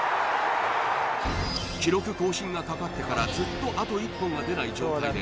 「記録更新がかかってからずっとあと１本が出ない状態で」